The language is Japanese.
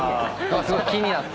すごい気になってまして。